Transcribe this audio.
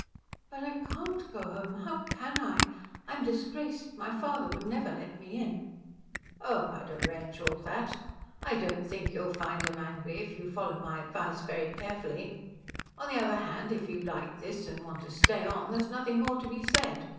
"But I can't go home. How can I? I am disgraced. My father would never let me in." "Oh I'd arrange all that. I don't think you'd find him angry if you followed my advice very carefully. On the other hand, if you like this and want to stay on there's nothing more to be said.